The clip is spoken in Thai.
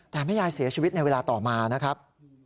แต่แม่ยายเสียชีวิตในเวลาต่อมานะครับ